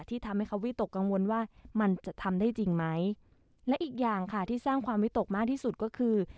ที่ทำให้เขาวิตกกังวลว่ามันจะทำได้จริงไหมและอีกอย่างค่ะที่สร้างความวิตกมากที่สุดก็คือ